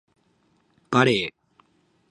バレー